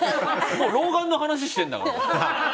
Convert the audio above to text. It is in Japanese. もう老眼の話してるんだから。